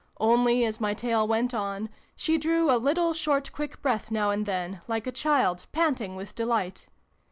Only, as my tale went on, she drew a little short quick breath now and then, like a child panting with delight.